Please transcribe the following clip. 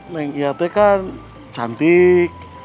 neng iyate kan cantik